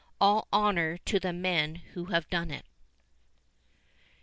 All honour to the men who have done it.